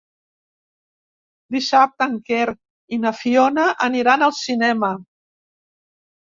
Dissabte en Quer i na Fiona aniran al cinema.